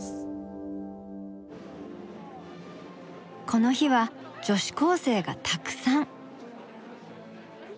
この日は女子高生がたくさん。